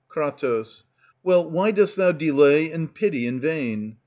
Kr. Well, why dost thou delay and pity in vain?